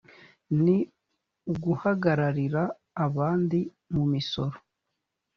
ni uguhagararira abandi mu misoro